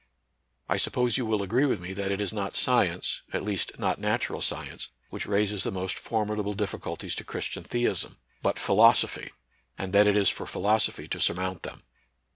I suppose you will agree with me that it is not science, at least not natural science, which raises the most for midable difficulties to Christian theism, but philosophy, and that it is for philosophy to sur mount them.